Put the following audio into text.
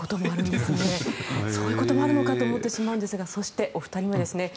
そういうこともあるのかと思ってしまうんですがお二人目です。